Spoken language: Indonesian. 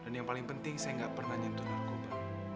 dan yang paling penting saya enggak pernah nyentuh narkoba